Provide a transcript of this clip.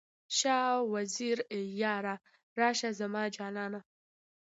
شاه وزیره یاره، راشه زما جانه؟